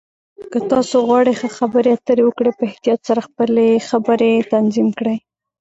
که تاسو غواړئ ښه خبرې اترې وکړئ، په احتیاط سره خپلې خبرې تنظیم کړئ.